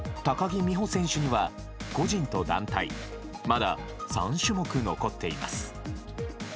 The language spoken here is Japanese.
高木美帆選手には個人と団体、まだ３種目残っています。